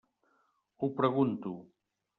Ho pregunto.